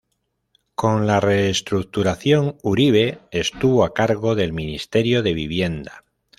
Con la reestructuración Uribe estuvo a cargo del Ministerio de Vivienda.